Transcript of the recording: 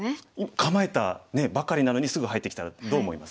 構えたばかりなのにすぐ入ってきたらどう思います？